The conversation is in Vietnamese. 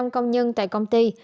ba mươi công nhân tại công ty